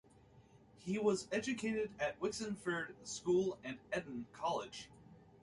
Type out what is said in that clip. He was educated at Wixenford School and Eton College.